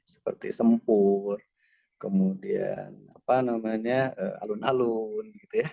seperti sempur kemudian alun alun